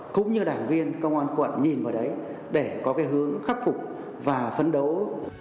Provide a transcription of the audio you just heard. cũng như đảng viên công an quận nhìn vào đấy để có cái hướng khắc phục và phấn đấu